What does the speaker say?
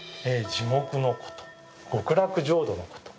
地獄のこと極楽浄土のこと